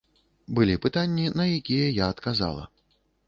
Былі пытанні, на якія я адказала.